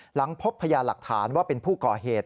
หลังพบพยานหลักฐานว่าเป็นผู้ก่อเหตุ